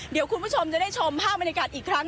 เดี๋ยวคุณผู้ชมจะได้ชมภาพบรรยากาศอีกครั้ง